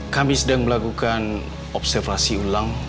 kami sedang melakukan observasi ulang